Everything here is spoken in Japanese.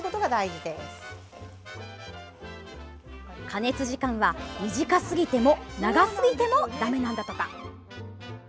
加熱時間は短すぎても長すぎてもだめなんだとか。